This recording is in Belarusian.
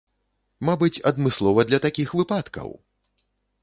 Мабыць, адмыслова для такіх выпадкаў?